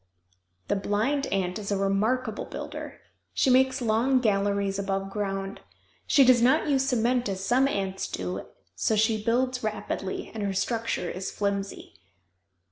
The blind ant is a remarkable builder. She makes long galleries above ground. She does not use cement as some ants do, so she builds rapidly and her structure is flimsy.